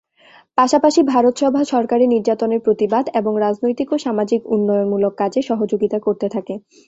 পাশাপাশি ভারত সভা সরকারি নির্যাতনের প্রতিবাদ এবং রাজনৈতিক ও সামাজিক উন্নয়নমূলক কাজে সহযোগিতা করতে থাকে।